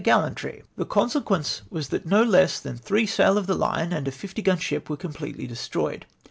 1)3 consequence was that no less than three sail of tlie line and a fifty gun ship were com^Dletely destroyed.